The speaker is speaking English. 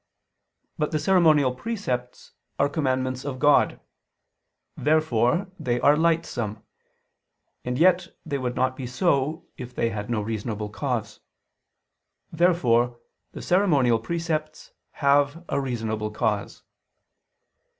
But the ceremonial precepts are commandments of God. Therefore they are lightsome: and yet they would not be so, if they had no reasonable cause. Therefore the ceremonial precepts have a reasonable cause.